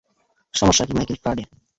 সমস্যা কি, Michael Faraday?